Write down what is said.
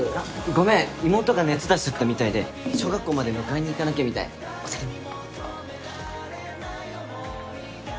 ごめん妹が熱出しちゃったみたいで小学校まで迎えに行かなきゃみたいお先に。